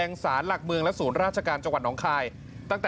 มองแล้วเหมือนจะอาเจียนนะคะมันบอกไม่ถูกนะคะ